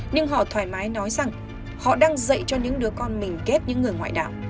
nhưng họ thoải mái nói rằng họ đang dạy cho những đứa con mình kết những người ngoại đạo